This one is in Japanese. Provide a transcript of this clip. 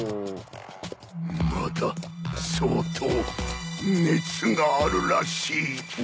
まだ相当熱があるらしいな。